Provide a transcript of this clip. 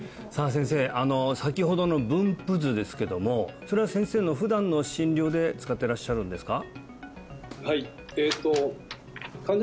先生先ほどの分布図ですけどもそれは先生の普段の診療で使ってらっしゃるんですか？